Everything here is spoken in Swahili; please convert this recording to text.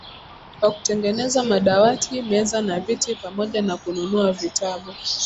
Kwa kutengeneza madawati, meza na viti pamoja na kununua vitabu.